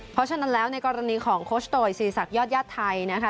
เพราะฉะนั้นแล้วในกรณีของโคชโตยศิริษักยอดญาติไทยนะคะ